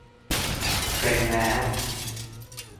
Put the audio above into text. เป็นแล้ว